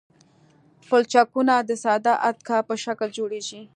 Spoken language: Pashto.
پلچکونه د ساده اتکا په شکل جوړیږي